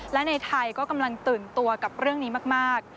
และในไทยก็กำลังตื่นตัวกับเรื่องนี้มาก